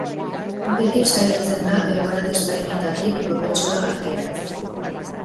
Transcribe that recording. Beti saiatzen da egoera desberdinetatik probetxua ateratzen.